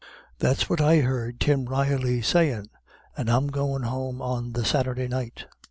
That's what I heard Tim Reilly sayin' and I goin' home on the Saturday night.